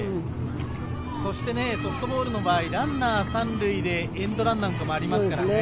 そしてソフトボールの場合、ランナー３塁でエンドランなんかもありますからね。